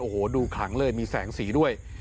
โอ้โหดูขลังเลยมีแสงสีด้วย